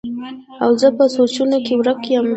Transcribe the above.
او زۀ پۀ سوچونو کښې ورک يم